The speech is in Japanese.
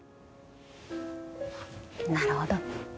なるほど。